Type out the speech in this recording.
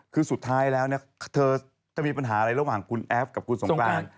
คือสุดท้ายแล้วเธอจะมีปัญหาอะไรระหว่างคุณแอฟกับคุณสงกราน